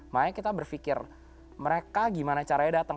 makanya kita berpikir mereka gimana caranya datang